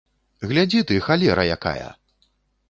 Глядзі ты, халера якая!